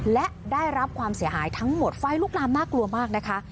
และได้รับความเสียหายทั้งหมดไฟลุกลามน่ากลัวมากนะคะ